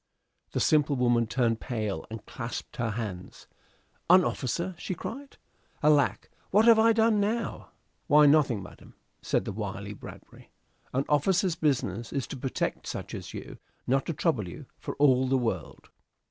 The simple woman turned pale, and clasped her hands. "An officer!" she cried. "Alack! what have I done now?" "Why, nothing, madam," said the wily Bradbury. "An officer's business is to protect such as you, not to trouble you, for all the world.